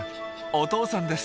お父さんです。